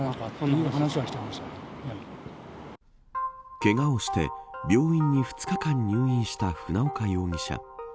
けがをして病院に２日間入院した船岡容疑者。